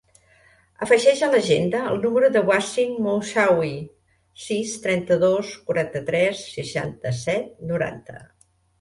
Afegeix a l'agenda el número del Wasim Moussaoui: sis, trenta-dos, quaranta-tres, seixanta-set, noranta.